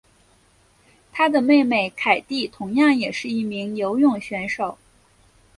她的妹妹凯蒂同样也是一名游泳选手。